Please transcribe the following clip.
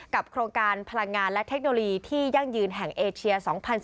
โครงการพลังงานและเทคโนโลยีที่ยั่งยืนแห่งเอเชีย๒๐๑๙